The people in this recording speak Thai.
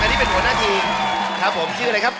อันนี้เป็นหัวหน้าทีมครับผมชื่ออะไรครับ